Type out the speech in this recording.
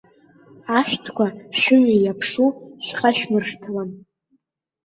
Ашәҭқәа, шәымҩа иаԥшу шәхашәмыршҭлан.